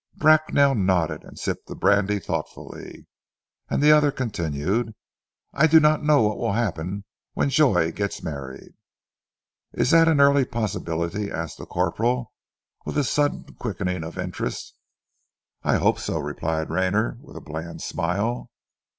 Bracknell nodded, and sipped the brandy thoughtfully, and the other continued, "I do not know what will happen when Joy gets married." "Is that an early possibility?" asked the corporal, with a sudden quickening of interest. "I hope so," replied Rayner, with a bland smile.